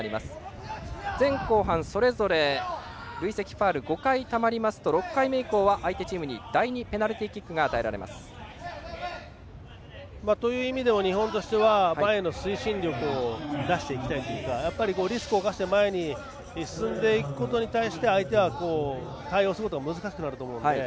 前後半それぞれ累積ファウルが５回たまりますと６回目以降は相手チームに第２ペナルティーキックがそういう意味でも日本としては前への推進力を出していきたいというかリスクを冒して前に進んでいくことに対して相手は、対応することが難しくなるので。